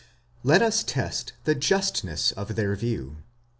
Let us test the justness of their view.